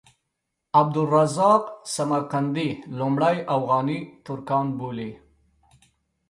عبدالرزاق سمرقندي لومړی اوغاني ترکان بولي.